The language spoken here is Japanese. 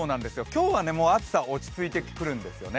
今日はもう暑さは落ち着いてくるんですよね。